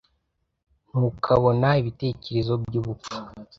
Ntukabona ibitekerezo byubupfu.